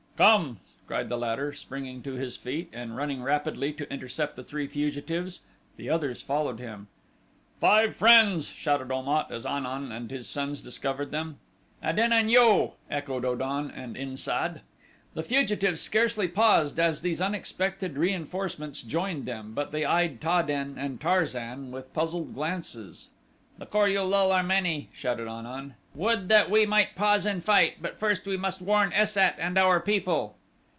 "Come!" cried the latter, springing to his feet and running rapidly to intercept the three fugitives. The others followed him. "Five friends!" shouted Om at as An un and his sons discovered them. "Adenen yo!" echoed O dan and In sad. The fugitives scarcely paused as these unexpected reinforcements joined them but they eyed Ta den and Tarzan with puzzled glances. "The Kor ul lul are many," shouted An un. "Would that we might pause and fight; but first we must warn Es sat and our people."